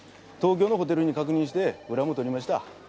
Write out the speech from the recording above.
東京のホテルに確認して裏も取りました。